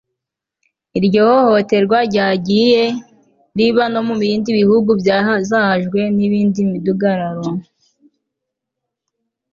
iryo hohoterwa ryagiye riba no mu bindi bihugu byazahajwe n'indi midugararo